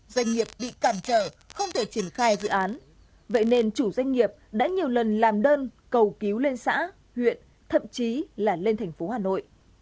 doanh nghiệp bị cản trở không thể triển khai dự án vậy nên chủ doanh nghiệp đã nhiều lần làm đơn cầu cứu lên xã huyện thậm chí là lên thành phố hà nội